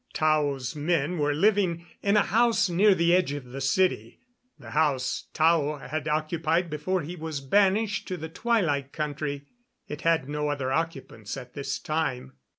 Tao's men were living in a house near the edge of the city the house Tao had occupied before he was banished to the Twilight Country. It had no other occupants at this time.